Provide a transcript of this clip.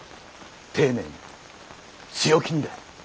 丁寧に強気にだ。